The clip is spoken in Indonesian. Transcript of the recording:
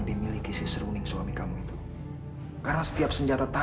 sampai jumpa di video selanjutnya